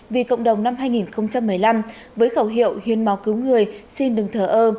vì cộng đồng năm hai nghìn một mươi năm với khẩu hiệu hiến máu cứu người xin đừng thở ơ